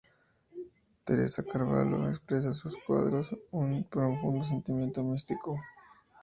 Teresa Carvallo expresa en sus cuadros un profundo sentimiento místico.